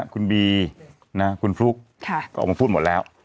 คุณบีคุณฟลุ๊กก็ออกมาพูดหมดแล้ว